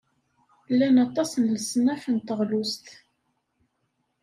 Llan aṭas n leṣnaf n teɣlust.